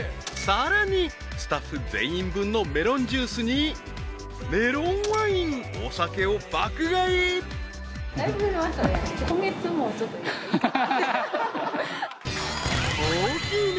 ［さらにスタッフ全員分のメロンジュースにメロンワインお酒を爆買い］